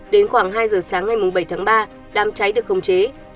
đến khoảng hai h sáng ngày bảy tháng ba đám cháy được không chế